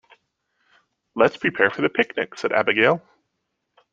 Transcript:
"Let's prepare for the picnic!", said Abigail.